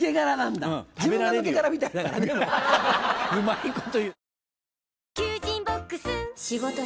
うまいこと言う。